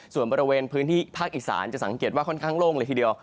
ส่วนบริเวณพื้นที่ภาคอีสานจะสังเกตว่าค่อนข้างโล่งเลยทีเดียว